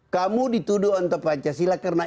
kamu dituduh untuk pancasila karena